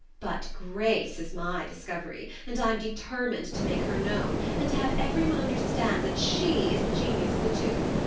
But Grace is my discovery, and I'm determined to make her known, and to have every one understand that she is the genius of the two.